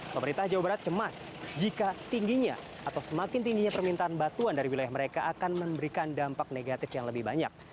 pemerintah jawa barat cemas jika tingginya atau semakin tingginya permintaan batuan dari wilayah mereka akan memberikan dampak negatif yang lebih banyak